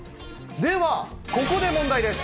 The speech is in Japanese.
では、ここで問題です。